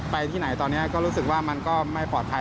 ที่ไหนตอนนี้ก็รู้สึกว่ามันก็ไม่ปลอดภัย